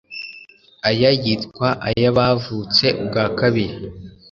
aya yitwa ay’abavutse ubwa kabiri.